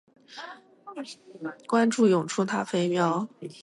关注永雏塔菲喵